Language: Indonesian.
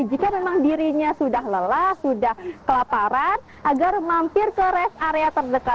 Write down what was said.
jika memang dirinya sudah lelah sudah kelaparan agar mampir ke rest area terdekat